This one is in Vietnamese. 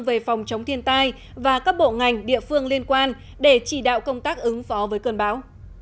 về phòng chống thiên tai và các bộ ngành địa phương liên quan để chỉ đạo công tác ứng phó với cơn bão